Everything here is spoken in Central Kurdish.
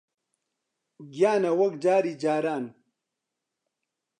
گیانە، وەک جاری جاران